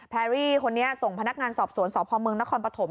แพรรี่คนนี้ส่งพนักงานสอบสวนสอบภอมเมืองนครปฐม